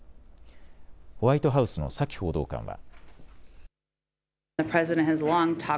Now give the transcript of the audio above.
ホワイトハウスのサキ報道官は。